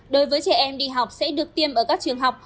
đối với trẻ em đi học sẽ được tiêm ở các trường học